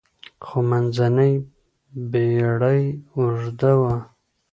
خو منځنۍ پېړۍ اوږده وه.